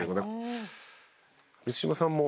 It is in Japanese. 満島さんも。